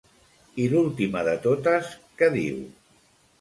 I l'última de totes què diu?